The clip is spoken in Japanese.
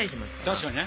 確かにね。